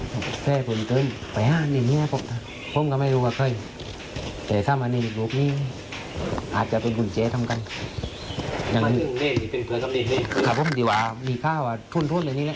มันถึงเล่นเป็นเพื่อนทำเล่นหรือยังไงครับครับผมดีกว่ามีค่าว่าทุนทุนแบบนี้แหละ